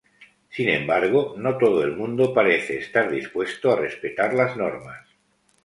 Sin embargo, no todo el mundo parece estar dispuesto a respetar las normas.